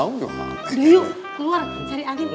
udah yuk keluar cari angin